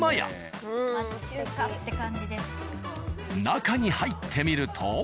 中に入ってみると。